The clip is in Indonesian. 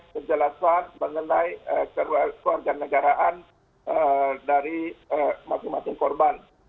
menjelaskan mengenai kewarganegaraan dari masing masing korban